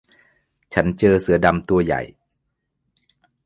ฉันเจอเสือดำตัวใหญ่